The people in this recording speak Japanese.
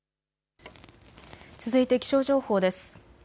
続いて気象情報です。